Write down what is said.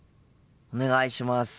お願いします。